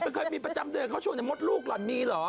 เธอเคยมีประจำเดิมเขาชวนในมดลูกหรอมีเหรอ